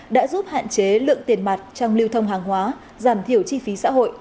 đã giúp hạn chế lượng tiền mặt trong lưu thông hàng hóa giảm thiểu chi phí xã hội